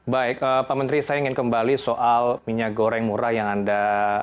baik pak menteri saya ingin kembali soal minyak goreng murah yang anda